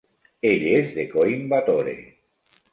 Ell és de Coimbatore.